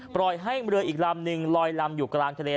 ปล่อยให้เรืออีกลำนึงลอยลำอยู่กลางทะเล